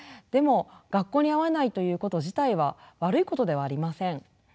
でも学校に合わないということ自体は悪いことではありません。